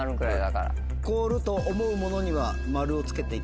凍ると思うものには「○」を付けていただいて。